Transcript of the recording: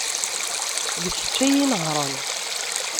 D kečč ay inehhṛen.